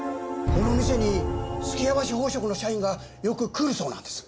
この店に数寄屋橋宝飾の社員がよく来るそうなんです。